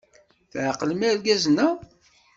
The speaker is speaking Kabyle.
Tɛeqlem irgazen-a?